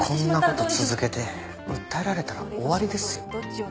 こんな事続けて訴えられたら終わりですよ。